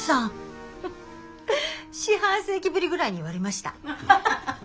四半世紀ぶりぐらいに言われました。